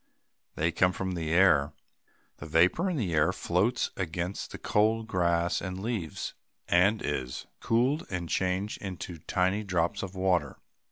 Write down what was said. They come from the air. The vapor in the air floats against the cold grass and leaves, and is cooled and changed into tiny drops of water.